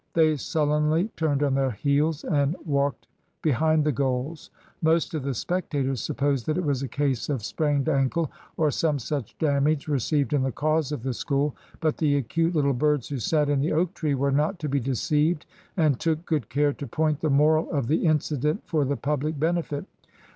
They sullenly turned on their heels and walked behind the goals. Most of the spectators supposed it was a case of sprained ankle or some such damage received in the cause of the School. But the acute little birds who sat in the oak tree were not to be deceived, and took good care to point the moral of the incident for the public benefit.